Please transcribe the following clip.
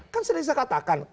kan sering saya katakan